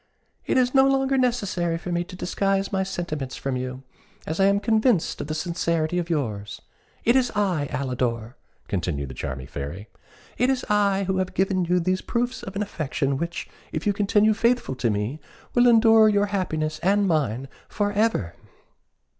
"It is no longer necessary for me to disguise my sentiments from you, as I am convinced of the sincerity of yours. It is I, Alidor!" continued the charming Fairy "It is I who have given you these proofs of an affection which, if you continue faithful to me, will ensure your happiness and mine for ever!"